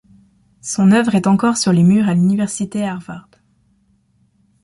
Son œuvre est encore sur les murs à l'Université Harvard.